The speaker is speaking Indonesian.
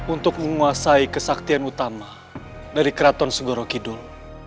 untuk menguasai kesaktian utama dari keraton sugorokidul